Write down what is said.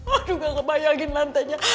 aduh gak kebayangin lantainya